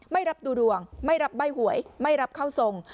ไม่รับดูดวงไม่รับใบ้หวยไม่รับเข้าทรง